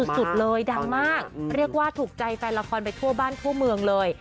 สุดเลยดังมากเรียกว่าถูกใจแฟนละครไปทั่วบ้านทั่วเมืองเลย